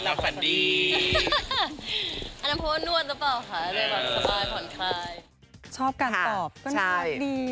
ชอบการตอบก็น่ากลับดี